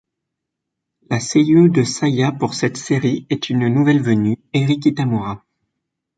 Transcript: La seiyuu de Saya pour cette série est une nouvelle venue, Eri Kitamura.